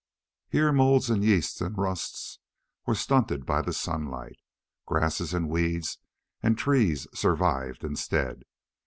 Here moulds and yeasts and rusts were stunted by the sunlight. Grasses and weeds and trees survived, instead.